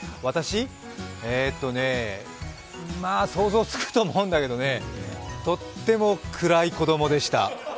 えーとね、まあ、想像つくと思うんだけどね、とっても暗い子供でした。